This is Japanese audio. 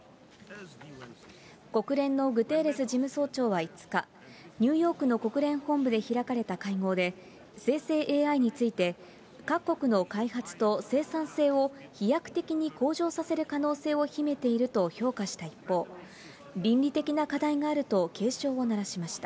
国連のグテーレス事務総長は５日、ニューヨークの国連本部で開かれた会合で、生成ＡＩについて、各国の開発と生産性を飛躍的に向上させる可能性を秘めていると評価した一方、倫理的な課題があると、警鐘を鳴らしました。